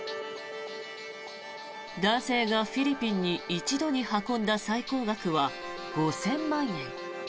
男性がフィリピンに一度に運んだ最高額は５０００万円。